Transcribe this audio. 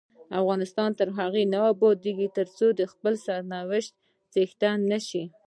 افغانستان تر هغو نه ابادیږي، ترڅو د خپل سرنوشت څښتنان نشو.